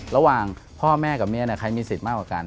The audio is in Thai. ระหว่างพ่อแม่กับเมียใครมีสิทธิ์มากกว่ากัน